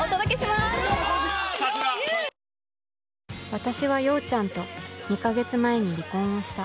私は陽ちゃんと２か月前に離婚をした。